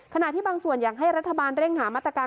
ขณะที่บางส่วนอยากให้รัฐบาลเร่งหามาตรการ